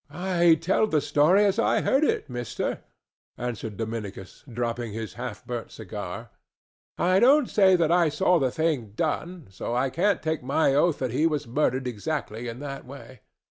"I tell the story as I heard it, mister," answered Dominicus, dropping his half burnt cigar. "I don't say that I saw the thing done, so I can't take my oath that he was murdered exactly in that way."